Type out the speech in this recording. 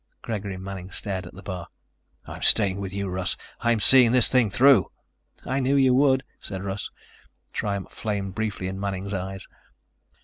Gregory Manning stared at the bar. "I'm staying with you, Russ. I'm seeing this thing through." "I knew you would," said Russ. Triumph flamed briefly in Manning's eyes.